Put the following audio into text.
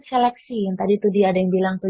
seleksi yang tadi tuh dia ada yang bilang